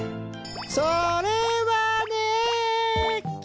それはね。